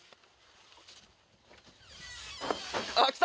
あっ来た！